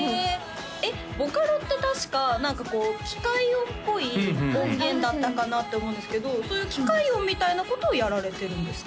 えっボカロって確か何かこう機械音っぽい音源だったかなって思うんですけどそういう機械音みたいなことをやられてるんですか？